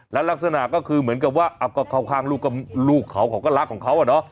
และลักษณะก็คือเหมือนกับว่าเขาข้างลูกของเขารักของเขาอะเนอะ